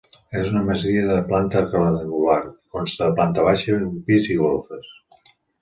És una masia de planta quadrangular, que consta de planta baixa, un pis i golfes.